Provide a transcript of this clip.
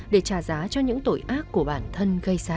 để trả giá cho những tội ác của bản thân gây ra